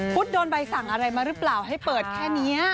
โดนใบสั่งอะไรมาหรือเปล่าให้เปิดแค่นี้